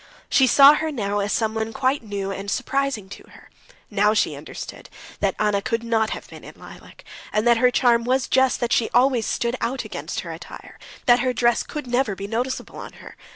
She saw her now as someone quite new and surprising to her. Now she understood that Anna could not have been in lilac, and that her charm was just that she always stood out against her attire, that her dress could never be noticeable on her.